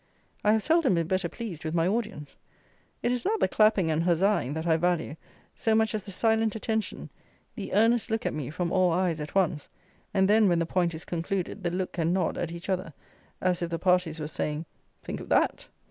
I have seldom been better pleased with my audience. It is not the clapping and huzzaing that I value so much as the silent attention, the earnest look at me from all eyes at once, and then when the point is concluded, the look and nod at each other, as if the parties were saying, "_Think of that!